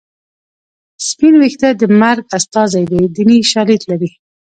سپین ویښته د مرګ استازی دی دیني شالید لري